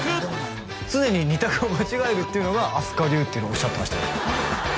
常に２択を間違えるっていうのが阿須加流っていうのおっしゃってましたよ